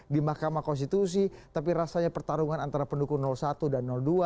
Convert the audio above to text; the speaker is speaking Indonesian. di mahkamah konstitusi tapi rasanya pertarungan antara pendukung satu dan dua